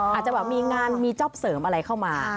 อาจจะแบบมีงานมีจ๊อปเสริมอะไรเข้ามา